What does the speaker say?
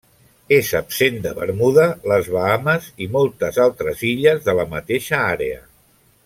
És absent de Bermuda, les Bahames i moltes altres illes de la mateixa àrea.